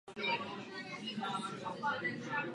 Jeden exemplář je pěstován v soukromém arboretu v Žatci.